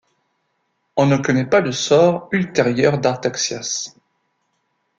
On ne connaît pas le sort ultérieur d'Artaxias.